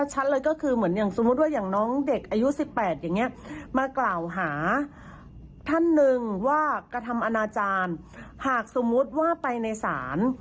หรือว่ากธรรมนาจารย์หากสมมุติว่าไปในศาล